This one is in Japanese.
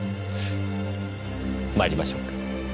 参りましょうか。